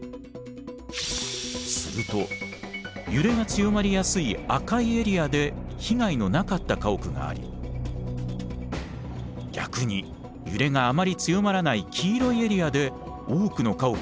すると揺れが強まりやすい赤いエリアで被害のなかった家屋があり逆に揺れがあまり強まらない黄色いエリアで多くの家屋が倒壊。